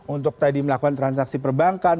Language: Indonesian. untuk tadi melakukan transaksi perbankan